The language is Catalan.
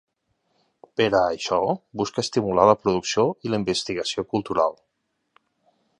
Per a això busca estimular la producció i la investigació cultural.